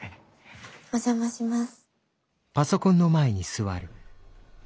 お邪魔します。